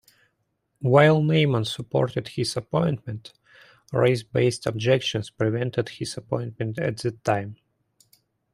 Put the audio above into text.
While Neyman supported his appointment, race-based objections prevented his appointment at that time.